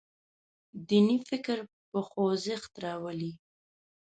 دیني فکر په خوځښت راولي.